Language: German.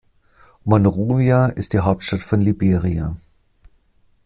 Monrovia ist die Hauptstadt von Liberia.